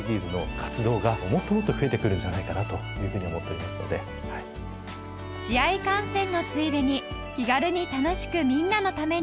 元沢さんの元沢さんが試合観戦のついでに気軽に楽しくみんなのために